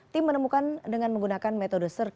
tim menemukan dengan menggunakan metode sirkuit